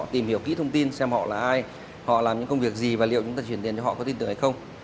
tìm hiểu kỹ thông tin xem họ là ai họ làm những công việc gì và liệu chúng ta chuyển tiền cho họ có tin tưởng hay không